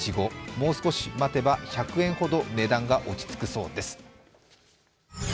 もう少し待てば１００円ほど値段が落ち着くそうです。